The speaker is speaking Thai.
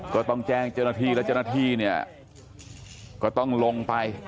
ก็ต้องแจ้งเจ้าหน้าที่แล้วเจ้าหน้าที่เนี่ยก็ต้องลงไป